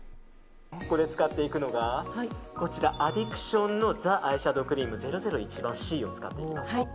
使っていくのがアディクションのザアイシャドークリーム００１Ｃを使っていきます。